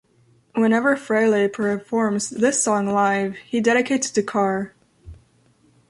Whenever Frehley performs this song live, he dedicates it to Carr.